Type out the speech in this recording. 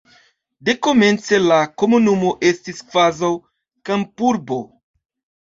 Dekomence la komunumo estis kvazaŭ kampurbo.